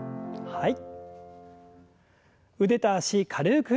はい。